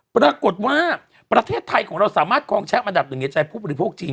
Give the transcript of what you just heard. ปรากฏว่าประเทศไทยของเราสามารถกองแชมป์อันดับหนึ่งในใจผู้บริโภคจริง